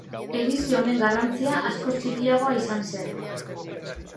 Edizio honen garrantzia askoz txikiagoa izan zen.